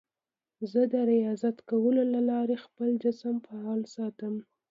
زه د ریاضت کولو له لارې خپل جسم فعال ساتم.